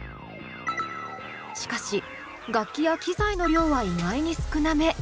しかし楽器や機材の量は意外に少なめ。